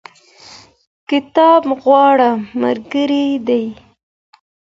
کتاب غوره ملګری دی.